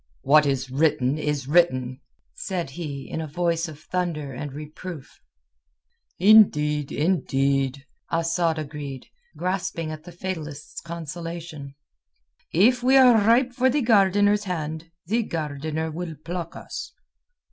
"What is written is written!" said he in a voice of thunder and reproof. "Indeed, indeed," Asad agreed, grasping at the fatalist's consolation. "If we are ripe for the gardeners hand, the gardener will pluck us."